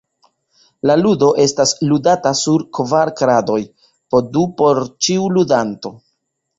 La ludo estas ludata sur kvar kradoj, po du por ĉiu ludanto.